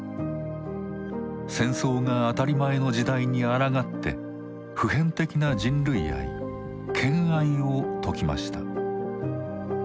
戦争が当たり前の時代にあらがって普遍的な人類愛「兼愛」を説きました。